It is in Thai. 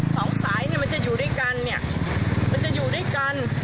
สองสายเนี่ยมันจะอยู่ด้วยกันเนี่ยมันจะอยู่ด้วยกัน